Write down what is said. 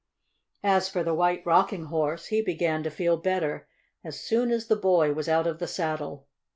As for the White Rocking Horse, he began to feel better as soon as the boy was out of the saddle.